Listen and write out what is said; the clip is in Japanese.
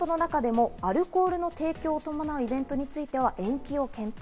イベントの中でもアルコールの提供を伴うイベントについては、延期を検討。